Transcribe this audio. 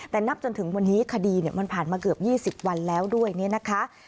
แต่นับจนถึงวันนี้คดีมันผ่านมาเกือบ๒๐วันแล้วด้วยเนี่ยนะคะ